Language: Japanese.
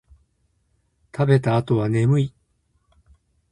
食べた後は眠い